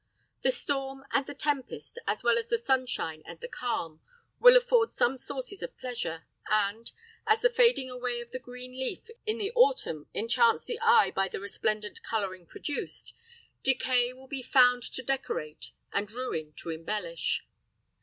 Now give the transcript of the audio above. The storm and the tempest, as well as the sunshine and the calm, will afford some sources of pleasure; and, as the fading away of the green leaf in the autumn enchants the eye by the resplendent coloring produced, decay will be found to decorate, and ruin to embellish.